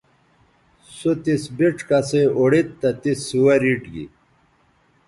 سو تس بِڇ کسئ اوڑید تہ تس سوہ ریٹ گی